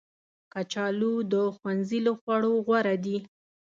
کچالو د ښوونځي له خوړو غوره دي